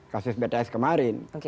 kasus bts kemarin